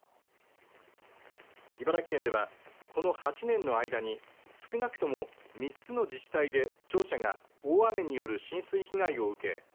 茨城県ではこの８年の間に少なくとも３つの自治体で庁舎が大雨による浸水被害を受け